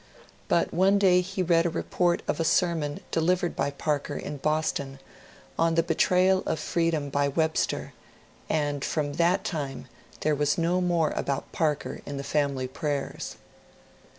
But one day he read a report of a sermon delivered by Parker in Boston on the betrayal of freedom by Webster, and from that time there was no more about Parker in the family prayers.